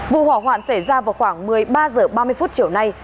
vụ hỏa hoạn xảy ra vào khoảng một mươi ba h ba mươi phút chiều nay